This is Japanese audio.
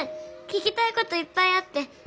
聞きたいこといっぱいあって。